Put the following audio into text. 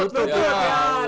lutut buat lari